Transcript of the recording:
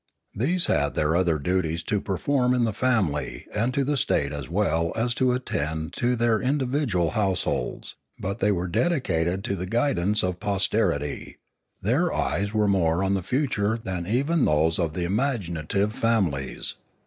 These had their other duties to perform in the family and to the state as well as to attend to their in dividual households, but they were dedicated to the guidance of posterity; their eyes were more on the future than even those of the imaginative families.